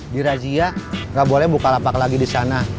dirazia nggak boleh bukalapak lagi di sana